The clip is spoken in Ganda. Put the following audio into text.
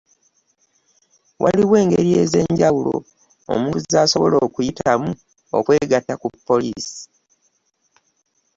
Waliwo engeri ez’enjawulo omuntu z’asobola okuyitamu okwegatta ku poliisi.